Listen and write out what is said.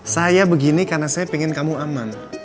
saya begini karena saya ingin kamu aman